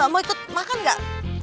mau ikut makan gak